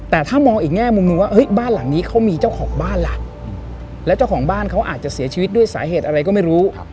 แต่ถ้ามองอีกแง่มุมหนึ่งว่าบ้านหลังนี้เขามีเจ้าของบ้านล่ะแล้วเจ้าของบ้านเขาอาจจะเสียชีวิตด้วยสาเหตุอะไรก็ไม่รู้